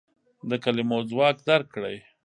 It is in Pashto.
د کلمو ځواک درک کړئ.